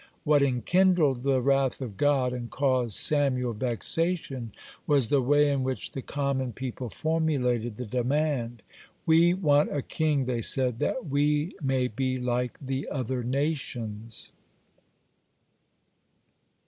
What enkindled the wrath of God and caused Samuel vexation, was the way in which the common people formulated the demand. "We want a king," they said, "that we may be like the other nations."